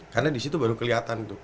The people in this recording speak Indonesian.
karena di situ baru kelihatan tuh